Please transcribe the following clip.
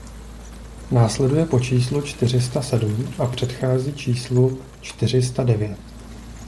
Následuje po číslu čtyři sta sedm a předchází číslu čtyři sta devět.